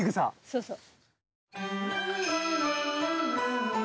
そうそう。